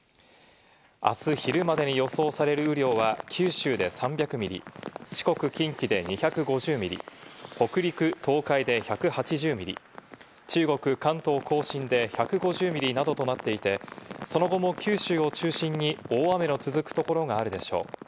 あす昼までに予想される雨量は、九州で３００ミリ、四国、近畿で２５０ミリ、北陸、東海で１８０ミリ、中国、関東甲信で１５０ミリなどとなっていて、その後も九州を中心に大雨の続くところがあるでしょう。